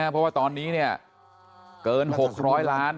เพราะว่าตอนนี้เนี่ยเกิน๖๐๐ล้าน